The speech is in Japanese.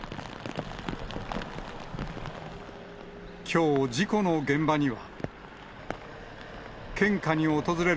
きょう、事故の現場には。